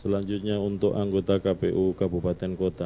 selanjutnya untuk anggota kpu kabupaten kota